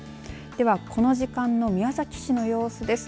では、この時間の宮崎市の様子です。